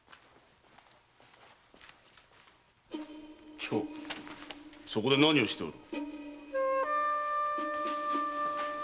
貴公そこで何をしておる？